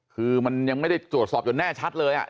คือมันยังไม่ได้ตรวจสอบจนแน่ชัดเลย